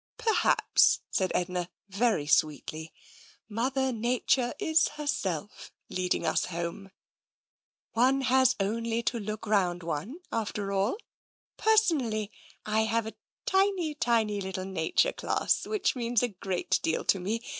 " Perhaps," said Edna very sweetly, " Mother Nature is herself leading us home. One has only to 82 TENSION look round one, after all. Personally, I have a tiny, tiny little nature class which means a great deal to me.